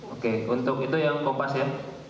oke untuk itu yang kompas ya